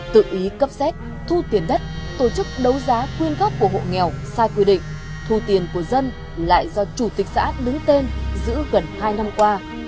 tự ý cấp xét thu tiền đất tổ chức đấu giá quyên góp của hộ nghèo sai quy định thu tiền của dân lại do chủ tịch xã đứng tên giữ gần hai năm qua